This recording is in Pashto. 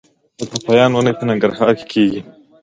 د پاپایا ونې په ننګرهار کې کیږي؟